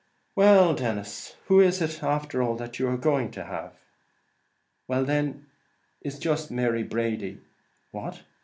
"Well, Denis; and who is it after all that you are going to have?" "Well, then, it's jist Mary Brady." "What!